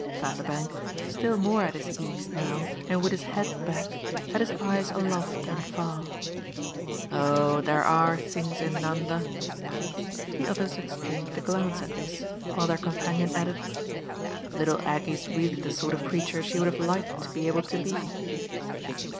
Vanderbank, still more at his ease now and with his head back, had his eyes aloft and far. "Oh there are things in Nanda !" The others exchanged a glance at this, while their companion added: "Little Aggie's really the sort of creature she would have liked to be able to be."